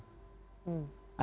dimana fungsi kemenhan